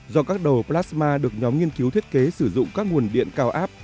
do các đầu plasma được nhóm nghiên cứu thiết kế sử dụng các nguồn điện cao áp